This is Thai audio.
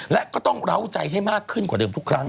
และก็ต้องเล้าใจให้มากขึ้นกว่าเดิมทุกครั้ง